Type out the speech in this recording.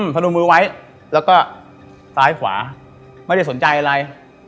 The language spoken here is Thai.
พนมมือไว้แล้วก็ซ้ายขวาไม่ได้สนใจอะไร